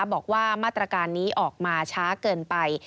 บอกว่ามาตรการนี้ออกมาช้าเกินไป